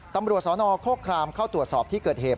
ตำรวจสนโครครามเข้าตรวจสอบที่เกิดเหตุ